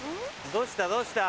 どうした？